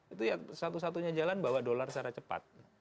itu ya satu satunya jalan bawa dolar secara cepat